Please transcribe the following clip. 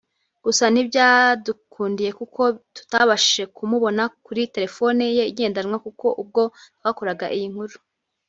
gusa ntibyadukundiye kuko tutabashije kumubona kuri terefone ye igendanwa kuko ubwo twakoraga iyi nkuru